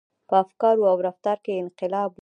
• په افکارو او رفتار کې انقلاب و.